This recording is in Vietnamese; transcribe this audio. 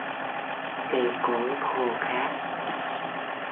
Cây cối khô khát